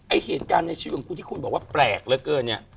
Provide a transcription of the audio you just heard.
ไอ้เหตุการณ์ที่ชื่อขอบคุณบอกว่าแปลกเวอะเนี่ย